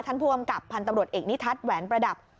ท่านผู้กำกับพญันตำรวจเอกนิทัศน์แหวนประดับ